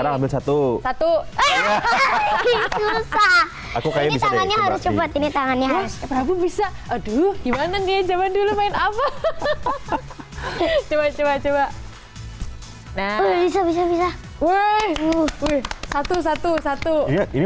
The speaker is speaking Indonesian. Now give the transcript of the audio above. lagi satu satu bisa aduh gimana dia zaman dulu main apa coba coba bisa bisa satu satu satu ini